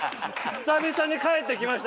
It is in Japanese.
「久々に帰ってきました」。